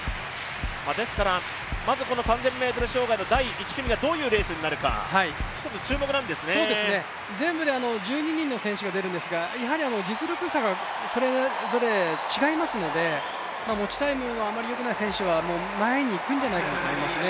ですから、まずこの３０００ｍ障害の第１組がどういうレースになるか全部で１２人の選手が出るんですが実力差がそれぞれ違いますので、持ちタイムがあまりよくない選手は前に行くんじゃないかと思いますね。